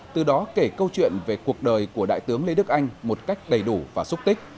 từ đó kể câu chuyện về cuộc đời của đại tướng lê đức anh một cách đầy đủ và xúc tích